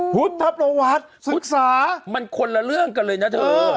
พุทธประวัติพุทธศามันคนละเรื่องกันเลยนะเธอ